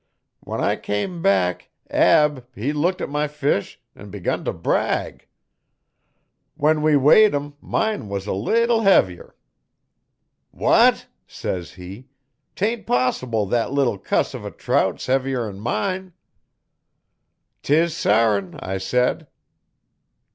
When I come back Ab he looked at my fish 'n begun t' brag. When we weighed 'em mine was a leetle heavier. '"What!" says he. "'Tain't possible thet leetle cuss uv a trout 's heavier 'n mine." ''Tis sarrin,' I said.